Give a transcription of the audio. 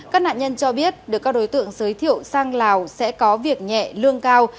các nạn nhân cho biết được các đối tượng giới thiệu sang lào sẽ có việc nhẹ lương cao